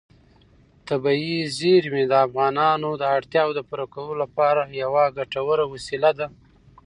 طبیعي زیرمې د افغانانو د اړتیاوو د پوره کولو لپاره یوه ګټوره وسیله ده.